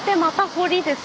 堀です